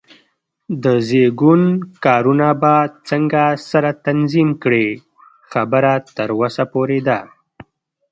د زېږون کارونه به څنګه سره تنظیم کړې؟ خبره تر وسه پورې ده.